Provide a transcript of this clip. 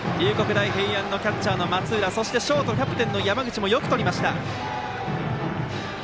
大平安のキャッチャーの松浦そしてショートキャプテンの山口もよくとりました。